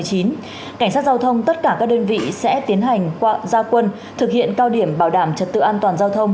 cảnh sát giao thông tất cả các đơn vị sẽ tiến hành gia quân thực hiện cao điểm bảo đảm trật tự an toàn giao thông